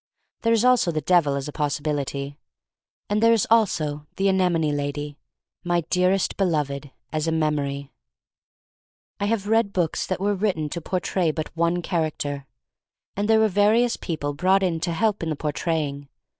There is also the Devil — as a possi bility. And there is also the anemone lady — my dearest beloved — as a memory. I have read books that were written to portray but one character, and there were various people brought in to help in the portraying.